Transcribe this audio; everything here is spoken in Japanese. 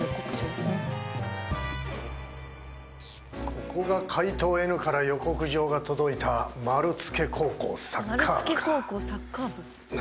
ここが怪盗Ｎから予告状が届いた丸つけ高校サッカー部か。